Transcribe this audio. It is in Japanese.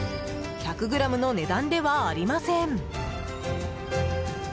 １００ｇの値段ではありません。